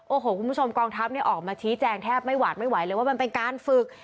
โอ้โหคุณผู้ชมกองทัพออกมาชี้แจงแทบไม่หวาดไม่ไหวเลยว่ามันเป็นการฝึก